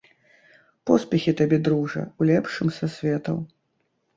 Поспехі табе, дружа, у лепшым са светаў.